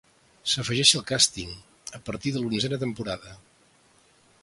S'afegeix al càsting, a partir de l'onzena temporada.